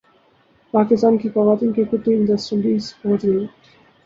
پاکستان کی خواتین cricket team West Indies پہنچ گئی